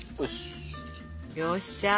よっしゃ！